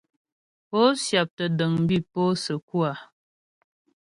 Pó syáptə́ dəŋ bi pó səkú a ?